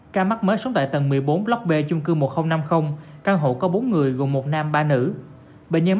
ca mắc mới sống tại tầng một mươi bốn block b chung cư một nghìn năm mươi căn hộ có bốn người gồm một nam ba nữ bệnh nhân